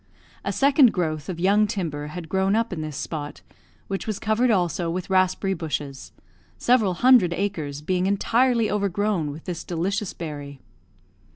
A second growth of young timber had grown up in this spot, which was covered also with raspberry bushes several hundred acres being entirely overgrown with this delicious berry.